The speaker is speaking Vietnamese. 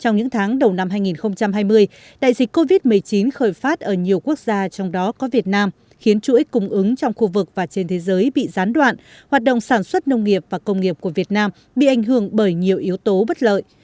trong những tháng đầu năm hai nghìn hai mươi đại dịch covid một mươi chín khởi phát ở nhiều quốc gia trong đó có việt nam khiến chuỗi cung ứng trong khu vực và trên thế giới bị gián đoạn hoạt động sản xuất nông nghiệp và công nghiệp của việt nam bị ảnh hưởng bởi nhiều yếu tố bất lợi